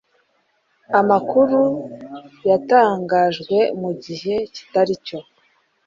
Amakuru yatangajwe mugihe kitaricyo.